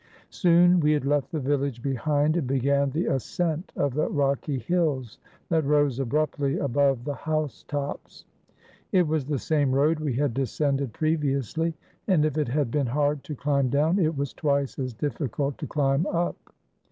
Soon we had left the village behind, and began the ascent of the rocky hills that rose abruptly above the house tops. It was the same road we had descended previously, and if it had been hard to climb down, it was twice as difficult to climb up.